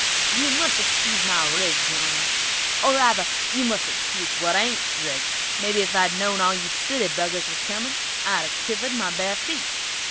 "You must excuse my rig, gentlemen, or rather, you must excuse what ain't rigged; mebby if I'd known all you city buggers was comin', I'd a kivered my bar feet."